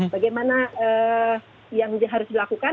bagaimana yang harus dilakukan